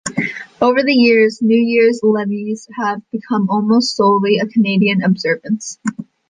Over the years, New Year's levees have become almost solely a Canadian observance.